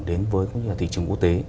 đến với thị trường quốc tế